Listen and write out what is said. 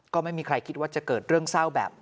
ก็ไม่มีใครคิดว่าจะเกิดเรื่องเศร้าแบบ